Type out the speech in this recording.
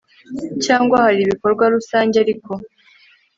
cyangwa hari ibikorwa rusange Ariko